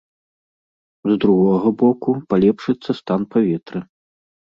З другога боку, палепшыцца стан паветра.